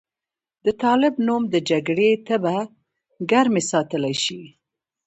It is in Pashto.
د طالب نوم د جګړې تبه ګرمه ساتلی شي.